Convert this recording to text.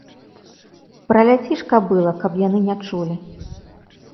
Праляці ж, кабыла, каб яны не чулі!